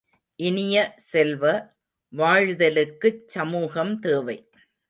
இனிய செல்வ, வாழ்தலுக்குச் சமூகம் தேவை.